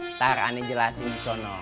ntar aneh jelasin disono